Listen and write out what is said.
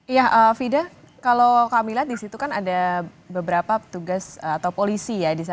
ya fida kalau kamilah disitu kan ada beberapa tugas atau polisi ya